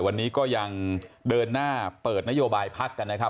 วันนี้ก็ยังเดินหน้าเปิดนโยบายพักกันนะครับ